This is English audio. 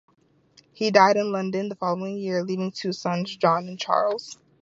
He died in London the following year, leaving two sons, John and Charles.